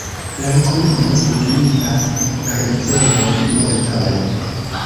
La loknomo signifas: rizejoj-montoj.